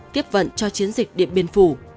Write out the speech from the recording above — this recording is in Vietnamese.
tiếp vận cho chiến dịch địa biên phủ